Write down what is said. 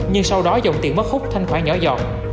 nhưng sau đó dòng tiền mất khúc thanh khoản nhỏ dọt